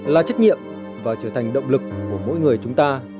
là trách nhiệm và trở thành động lực của mỗi người chúng ta